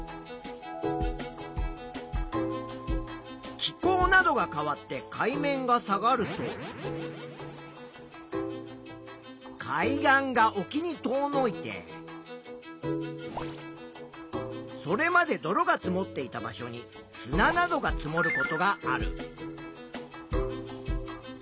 気候などが変わって海面が下がると海岸がおきに遠のいてそれまで泥が積もっていた場所に砂などが積もることがある。